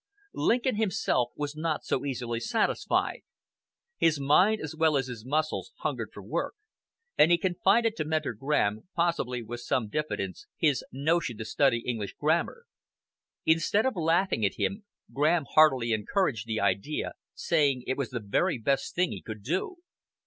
Lincoln himself was not so easily satisfied. His mind as well as his muscles hungered for work, and he confided to Mentor Graham, possibly with some diffidence, his "notion to study English grammar." Instead of laughing at him, Graham heartily encouraged the idea, saying it was the very best thing he could do.